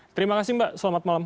terima kasih mbak selamat malam